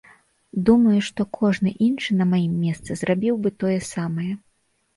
Думаю, што кожны іншы на маім месцы зрабіў бы тое самае.